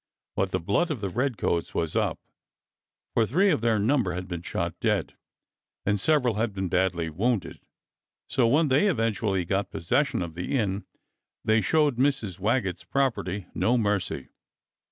But the blood of the redcoats was up, for three of their number had been shot dead, and several had been badly wounded, so when they eventually got possession of the inn they showed IVIrs. Waggetts' property no mercy.